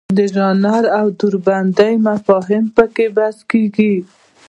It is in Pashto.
د ژانر او دوربندۍ مفاهیم پکې بحث کیږي.